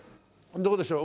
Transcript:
どうでしょう？